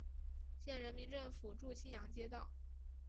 县人民政府驻青阳街道。